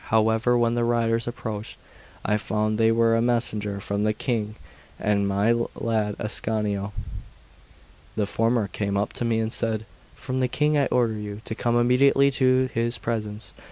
However, when the riders approached, I found they were a messenger from the King and my lad Ascanio. The former came up to me and said: "From the King I order you to come immediately to his presence."